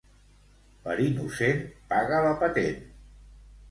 Per innocent, paga la patent!